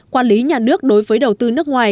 quản lý nhà nước đối với đầu tư nước ngoài